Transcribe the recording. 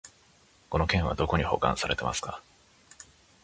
この件はどこに保管されてますか？